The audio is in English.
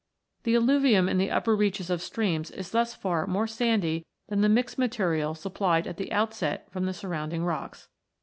The alluvium in the upper reaches of streams is thus far more sandy than the mixed material supplied at the outset from the surrounding rocks.